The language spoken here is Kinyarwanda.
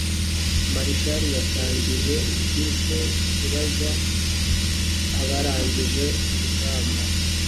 Marshall yatangije ikiswe kubaza abarangije urugamba.